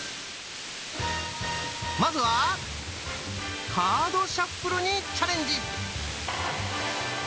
まずはカードシャッフルにチャレンジ！